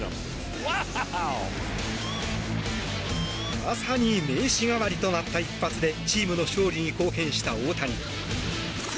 まさに名刺代わりとなった一発でチームの勝利に貢献した大谷。